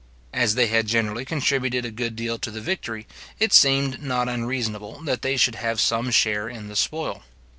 As they had generally contributed a good deal to the victory, it seemed not unreasonable that they should have some share in the spoil.